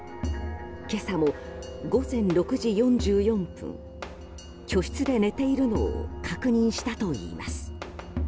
今朝も、午前６時４４分居室で寝ているのを確認したといいます。